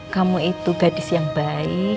kamu itu gadis yang baik